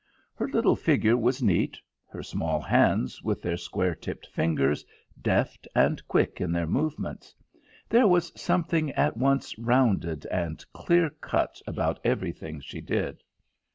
Her little figure was neat; her small hands, with their square tipped fingers, deft and quick in their movements; there was something at once rounded and clear cut about everything she did.